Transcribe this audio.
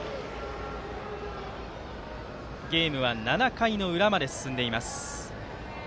ゲームは７回の裏まで進んでいます。